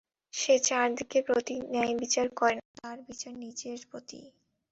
সে চার দিকের প্রতি ন্যায়বিচার করে না, তার বিচার নিজের প্রতিই।